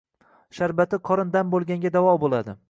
Sharbati qorin dam bo'lganga davo bo'ladi.